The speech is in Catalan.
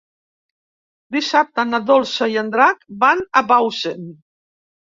Dissabte na Dolça i en Drac van a Bausen.